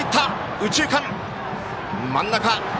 右中間、真ん中。